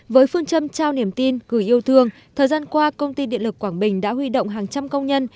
với phương châm trao niềm tin gửi yêu thương thời gian qua công ty điện lực quảng bình đã huy động hàng trăm công nhân